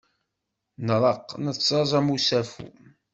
Nreqq nettaẓ am usafu.